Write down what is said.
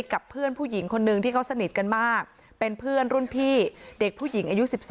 กับเพื่อนผู้หญิงคนนึงที่เขาสนิทกันมากเป็นเพื่อนรุ่นพี่เด็กผู้หญิงอายุ๑๒